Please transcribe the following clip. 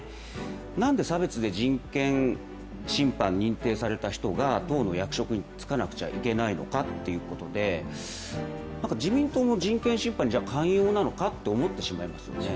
なんで差別で人権侵犯認定された人が党の役職につかなくちゃいけないのかっていうことで自民党も人権侵犯に寛容なのかと思ってしまいますよね。